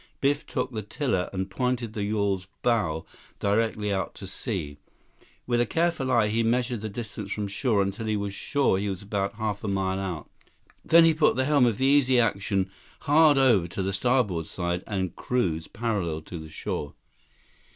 Biff took the tiller and pointed the yawl's bow directly out to sea. With a careful eye, he measured the distance from shore until he was sure he was about half a mile out. Then he put the helm of the Easy Action hard over to the starboard and cruised parallel to the shore.